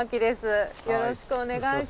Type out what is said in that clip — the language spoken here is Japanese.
よろしくお願いします。